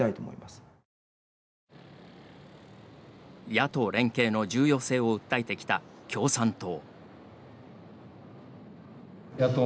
野党連携の重要性を訴えてきた共産党。